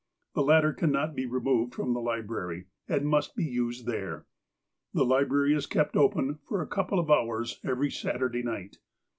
The latter cannot be removed from the libraiy, but must be used there. The library is kept open for a couple of hours every Saturday night.